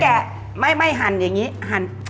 ก็แกะไม่หั่นอย่างนี้หั่น